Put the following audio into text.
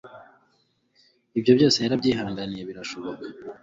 Ibyo byose yarabyihanganiye birashoboka